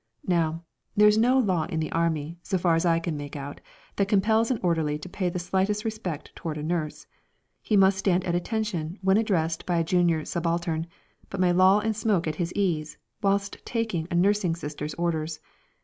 Now, there is no law in the Army, so far as I can make out, that compels an orderly to pay the slightest respect toward a nurse. He must stand at attention when addressed by a junior subaltern, but may loll and smoke at his ease whilst taking a nursing sister's orders.